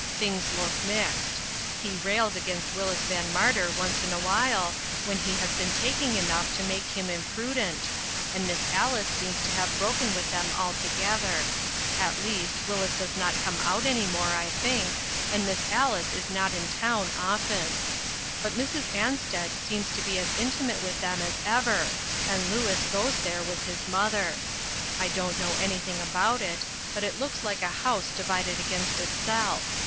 Things look mixed. He rails against Willis Van Marter once in a while, when he has been taking enough to make him imprudent, and Miss Alice seems to have broken with them altogether; at least, Willis does not come out any more, I think, and Miss Alice is not in town often ; but Mrs. Ansted seems to be as intimate with them as ever, and Louis goes there with his mother. I don't know anything about it, but it looks like a house divided against itself.